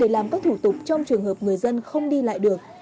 làm các thủ tục trong trường hợp người dân không đi lại được